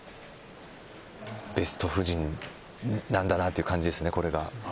ベスト布陣なんだなという感じですね、これが。